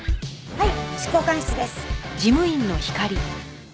はい。